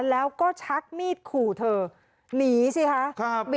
แล้วก็ชักมีดขู่เธอหนีสิคะ